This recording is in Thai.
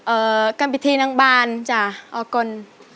เอ่อกันพิธีนั่งบ้านจ้ะออกก่อน